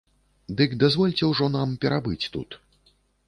Дык дазвольце ўжо нам перабыць тут.